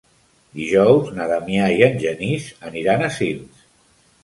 Dijous na Damià i en Genís aniran a Sils.